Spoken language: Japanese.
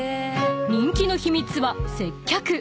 ［人気の秘密は接客］